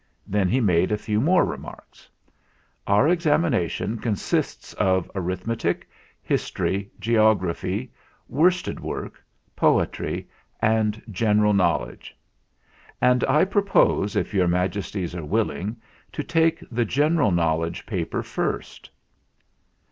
Then he made a few more remarks. "Our examination consists of arithmetic, his tory, geography, worsted work, poetry, and general knowledge; and I propose, if Your Majesties are willing, to take the general knowledge paper first."